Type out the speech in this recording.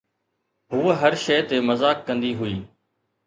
هوءَ هر شيءِ تي مذاق ڪندي هئي